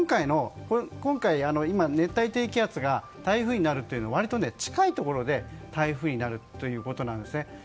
今回、熱帯低気圧が台風になるというのは割と近いところで台風になるということなんです。